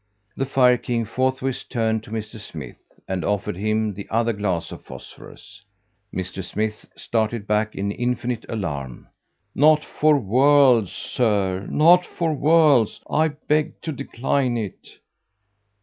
The fire king forthwith turned to Mr. Smith and offered him the other glass of phosphorus. Mr. Smith started back in infinite alarm 'Not for worlds, Sir, not for worlds; I beg to decline it.'